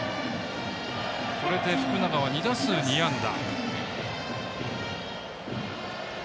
これで福永は２打数２安打。